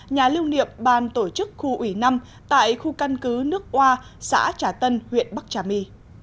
nhà lưu niệm ban tổ chức khu ủy năm tại khu căn cứ nước oa xã trà tân huyện bắc trà my